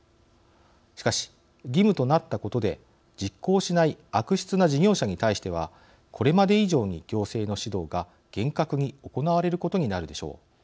しかし、義務となったことで実行しない悪質な事業者に対してはこれまで以上に行政の指導が厳格に行われることになるでしょう。